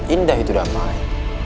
indah itu damai